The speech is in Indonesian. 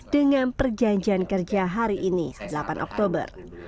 dengan perjanjian kerja hari ini delapan oktober